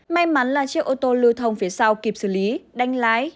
may mắn là chiếc ô tô lưu thông phía sau kịp xử lý đánh lái